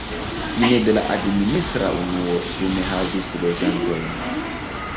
Fine de la administra unuo sume havis loĝantojn.